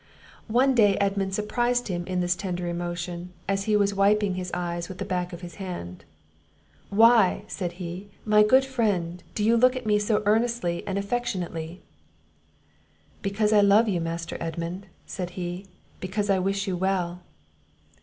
One day Edmund surprised him in this tender emotion, as he was wiping his eyes with the back of his hand: "Why," said he, "my good friend, do you look at me so earnestly and affectionately?" "Because I love you, Master Edmund," said he; "because I wish you well."